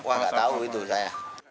wah nggak tahu itu saya